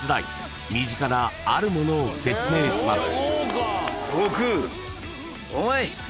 ［身近なあるものを説明します］